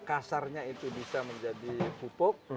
kasarnya itu bisa menjadi pupuk